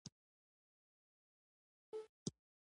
ګیلاس د پتنوس ښکلی غړی وي.